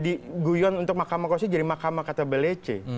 ini guyon untuk mahkamah konstitusi jadi mahkamah kata belice